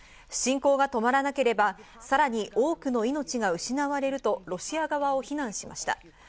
侵攻が止まらなければさらに多くの命が失われるとロシア側を非難しました。